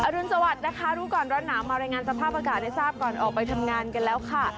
รุนสวัสดิ์นะคะรู้ก่อนร้อนหนาวมารายงานสภาพอากาศให้ทราบก่อนออกไปทำงานกันแล้วค่ะ